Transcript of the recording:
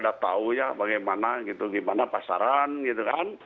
ya itu juga yang kita lakukan kita juga lakukan kita juga lakukan kita juga lakukan kita juga lakukan